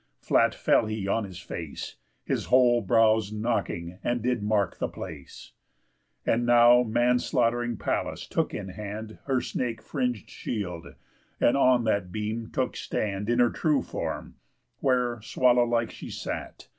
Flat fell he on his face, His whole brows knocking, and did mark the place. And now man slaught'ring Pallas took in hand Her snake fring'd shield, and on that beam took stand In her true form, where swallow like she sat.